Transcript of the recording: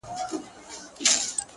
• خلکو لمر سپوږمۍ د ده قدرت بللای ,